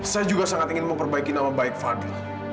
saya juga sangat ingin memperbaiki nama baik fadli